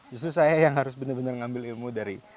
justru saya yang harus bener bener ngambil ilmu dari